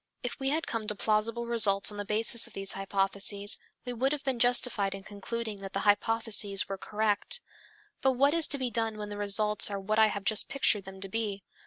If we had come to plausible results on the basis of these hypotheses, we would have been justified in concluding that the hypotheses were correct. But what is to be done when the results are what I have just pictured them to be?